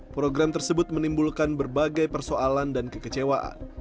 program tersebut menimbulkan berbagai persoalan dan kekecewaan